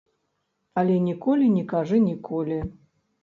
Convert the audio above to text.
Але ніколі не кажы ніколі.